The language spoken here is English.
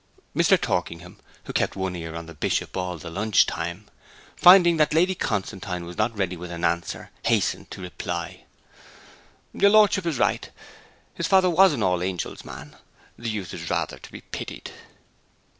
Mr. Torkingham, who kept one ear on the Bishop all the lunch time, finding that Lady Constantine was not ready with an answer, hastened to reply: 'Your lordship is right. His father was an All Angels' man. The youth is rather to be pitied.'